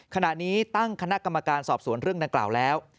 ขณะนี้ตั้งคณะกรรมการสอบสวนเรื่องดังกล่าวแล้ว